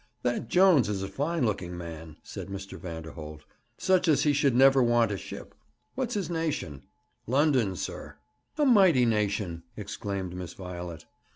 'That Jones is a fine looking man,' said Mr. Vanderholt; 'such as he should never want a ship. What's his nation?' 'London, sir.' 'A mighty nation!' exclaimed Miss Violet.